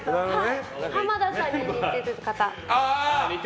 浜田さんに似てる方。